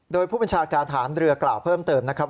โดยผู้บัญชาการฐานเรือกล่าวเพิ่มเติมนะครับ